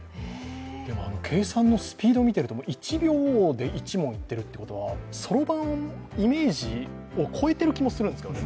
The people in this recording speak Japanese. でも計算のスピード見てると、１秒で１問いってるということはそろばん、イメージを超えている気がするんですよね。